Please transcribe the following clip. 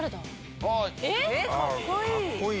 えっ、かっこいい。